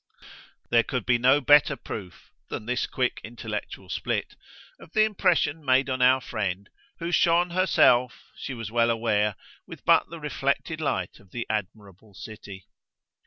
There could be no better proof (than this quick intellectual split) of the impression made on our friend, who shone herself, she was well aware, with but the reflected light of the admirable city.